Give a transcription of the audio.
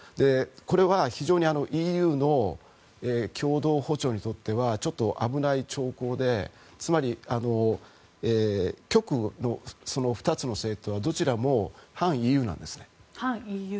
これは非常にＥＵの共同歩調にとってはちょっと危ない兆候でつまり、極右の２つの政党はどちらも反ＥＵなんですね。